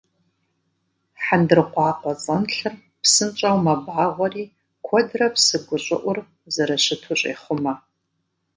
ХьэндыркъуакъуэцӀэнлъыр псынщӀэу мэбагъуэри куэдрэ псы гущӀыӀур зэрыщыту щӀехъумэ.